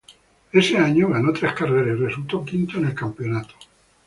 Ese año ganó tres carreras y resultó quinto en el campeonato.